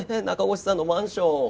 中越さんのマンション。